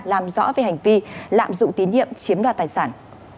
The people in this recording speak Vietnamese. làm rõ về hành vi lạm dụng tín nhiệm chiếm đoạt tài sản